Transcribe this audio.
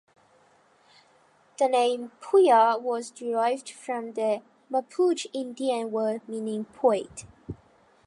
The name "Puya" was derived from the Mapuche Indian word meaning "point".